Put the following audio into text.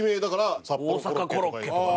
大阪コロッケとかね。